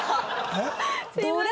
えっ？